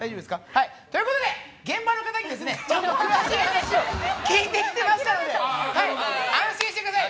現場の方に詳しい話を聞いてきていますので安心してください。